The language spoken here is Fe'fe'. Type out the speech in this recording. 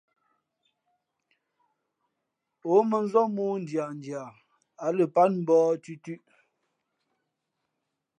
Ǒ mᾱnzám mōō ndiandia, ǎ lα pát mbōh tʉtʉ̄ʼ.